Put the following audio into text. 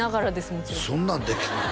もちろんそんなんできんの？